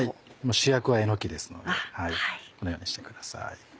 主役はえのきですのでこのようにしてください。